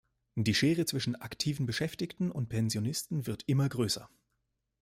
Die Schere zwischen aktiven Beschäftigten und Pensionisten wird immer größer.